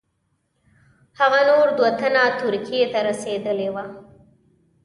هغه نور دوه تنه ترکیې ته رسېدلي وه.